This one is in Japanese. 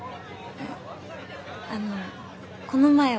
ああのこの前は。